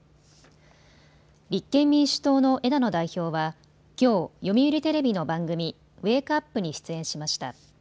立憲民主党の枝野代表はきょう読売テレビの番組、ウェークアップに出演しました。